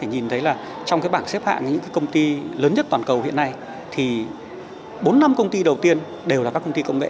vì bốn năm công ty đầu tiên đều là các công ty công nghệ